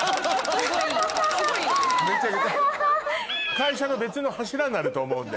会社の別の柱になると思うんで。